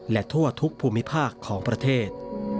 และทั่วทุกภูมิภาคของประเทศ